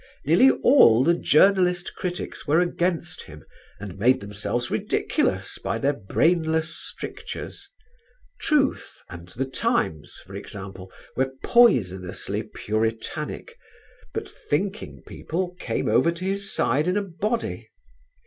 Nearly all the journalist critics were against him and made themselves ridiculous by their brainless strictures; Truth and The Times, for example, were poisonously puritanic, but thinking people came over to his side in a body.